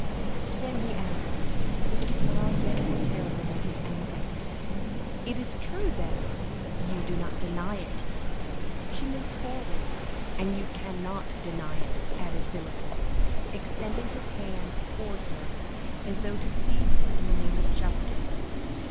Then he added, with a smile yet more terrible than his anger, "It is true, then; you do not deny it!" She moved forward. "And you cannot deny it!" added Villefort, extending his hand toward her, as though to seize her in the name of justice.